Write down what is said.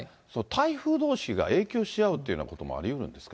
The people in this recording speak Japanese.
台風どうしが影響し合うっていうようなこともありえるんですか。